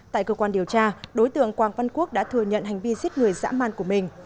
tại cơ quan điều tra đối tượng quang văn quốc đã thừa nhận hành vi giết người dã man của mình